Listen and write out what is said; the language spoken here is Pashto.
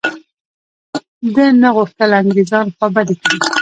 ده نه غوښتل انګرېزان خوابدي کړي.